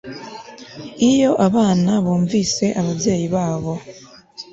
iyo abana bumvira ababyeyi babo